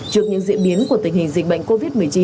trước những diễn biến của tình hình dịch bệnh covid một mươi chín